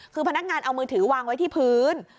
คือพนักงานเอามือถือวางไว้ที่พื้น